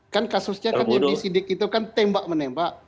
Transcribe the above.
kan kasusnya kan yang disidik itu kan tembak menembak